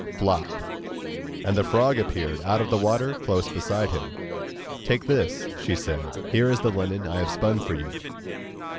Flop! and the frog appeared out of the water close beside him. 'Take this,' she said; 'here is the linen that I have spun for you.